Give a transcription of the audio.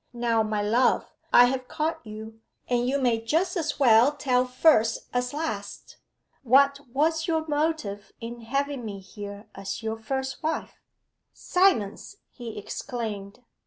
Now, my love, I have caught you, and you may just as well tell first as last, what was your motive in having me here as your first wife?' 'Silence!' he exclaimed.